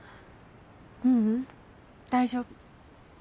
ううん大丈夫。